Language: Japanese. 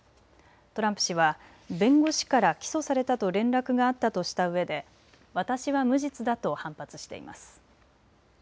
トランプ氏は弁護士から起訴されたと連絡があったとしたうえで私は無実だと反発しています。